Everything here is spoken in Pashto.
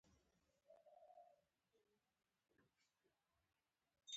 “ایا زه یوازې د دوی ساده ګۍ استثماروم؟